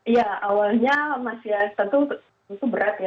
iya awalnya masih tentu itu berat ya